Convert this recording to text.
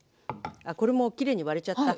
あっこれもきれいに割れちゃった。